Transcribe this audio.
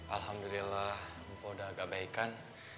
alhamdulillah empoh udah agak baikan